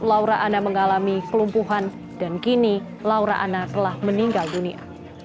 laura anna mengalami kelumpuhan dan kini laura anna telah meninggal dunia